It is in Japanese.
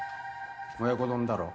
親子丼だろ。